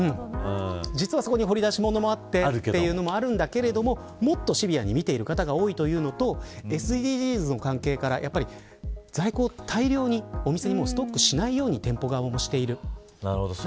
実は、そこに掘り出し物があるというのもあるけどもっとシビアに見てる方が多いというのとＳＤＧｓの関係から在庫を大量にお店にストックしないようにお店側もしています。